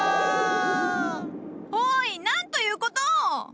おいなんということを！